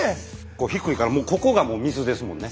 低いからもうここが水ですもんね。